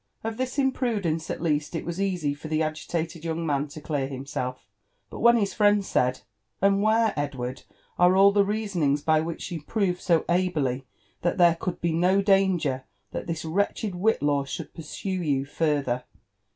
Of this imprudence at least it was easy for the agitated young man to clear himself ; but when his friend said, "And where, Edward, are all (he reasonings by which you proved so ably that there could be no danger that this wretched WhiUaw should pursue you farlher